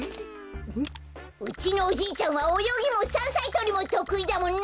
うちのおじいちゃんはおよぎもさんさいとりもとくいだもんね。